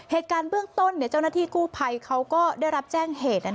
เหตุการณ์เบื้องต้นเจ้าหน้าที่กู้ภัยเขาก็ได้รับแจ้งเหตุ